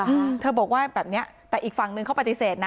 อืมเธอบอกว่าแบบเนี้ยแต่อีกฝั่งนึงเขาปฏิเสธนะ